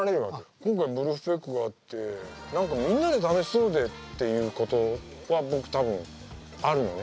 今回Ｖｕｌｆｐｅｃｋがあって何かみんなで楽しそうでっていうことは僕多分あるのね。